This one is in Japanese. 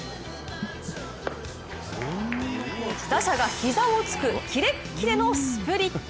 打者が膝をつくキレッキレのスプリット。